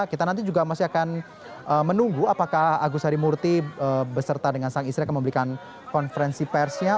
kita nanti juga masih akan menunggu apakah agus harimurti beserta dengan sang istri akan memberikan konferensi persnya